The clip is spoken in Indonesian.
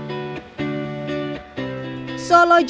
jawa tengah solo jawa tengah